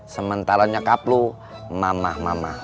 sementara nyokap lo emak jalanan lah emak pasar